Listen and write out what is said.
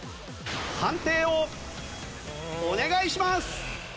判定をお願いします！